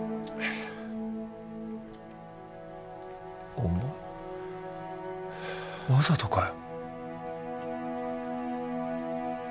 お前わざとかよ。